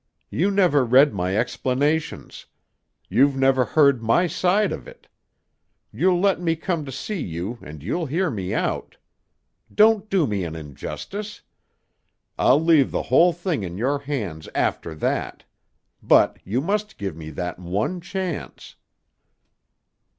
You never read my explanations. You've never heard my side of it. You'll let me come to see you and you'll hear me out. Don't do me an injustice. I'll leave the whole thing in your hands after that. But you must give me that one chance."